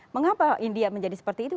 mengapa india menjadi seperti itu